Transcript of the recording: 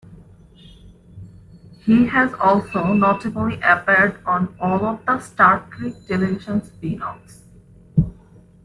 He has also notably appeared on all of the "Star Trek" television spin-offs.